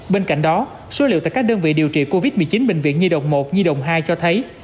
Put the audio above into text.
bên cạnh đó số liệu tại các đơn vị điều trị covid một mươi chín bệnh viện nhi đồng một nhi đồng hai cho thấy